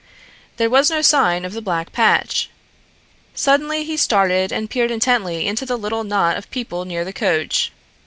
There was no sign of the black patch. Suddenly he started and peered intently into the little knot of people near the coach.